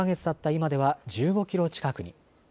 今では１５キロ近くに。